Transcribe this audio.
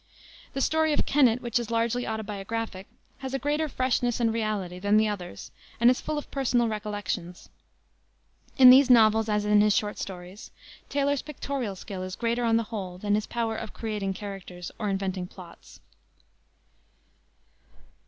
The Story of Kennett, which is largely autobiographic, has a greater freshness and reality than the others and is full of personal recollections. In these novels, as in his short stories, Taylor's pictorial skill is greater on the whole than his power of creating characters or inventing plots.